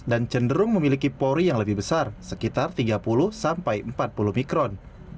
dan cenderung memiliki pori yang lebih besar sekitar tiga puluh empat puluh mikron